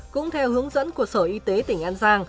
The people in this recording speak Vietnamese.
cũng theo hướng dẫn của sở y tế tỉnh an giang